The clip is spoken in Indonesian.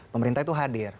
pemerintah itu hadir